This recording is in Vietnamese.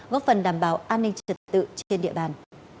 góp phần đảm bảo an ninh trật tự trên địa bàn